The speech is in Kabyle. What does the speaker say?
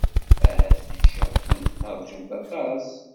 Ahat ǧǧiɣ-kent teṛjamt aṭas.